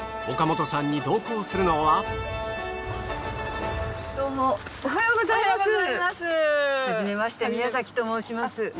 おはようございます。